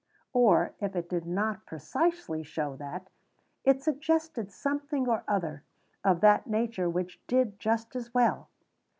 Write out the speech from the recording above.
Or if it did not precisely show that, it suggested something or other of that nature which did just as well.